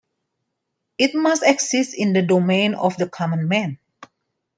It must exist in the domain of the common man.